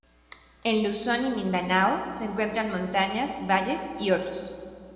En Luzón y Mindanao se encuentran montañas, valles y otros.